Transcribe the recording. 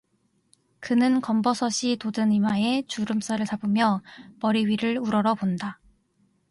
그는 검버섯이 돋은 이마에 주름살을 잡으며 머리 위를 우러러본다.